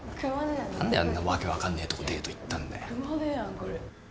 何であんな訳分かんねえとこデート行ったんだよ。